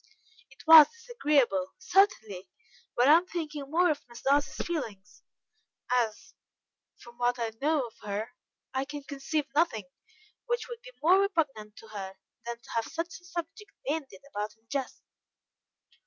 "It was disagreeable, certainly, but I am thinking more of Miss Darcy's feelings, as from what I know of her, I can conceive nothing which would be more repugnant to her, than to have such a subject bandied about in jest."